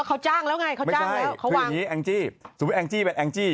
แองจี้ที่ชอบแสบคนอื่นให้คนอื่นมาพูดเนี่ย